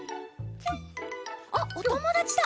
あっおともだちだ。